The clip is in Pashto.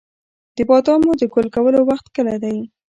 د بادامو د ګل کولو وخت کله دی؟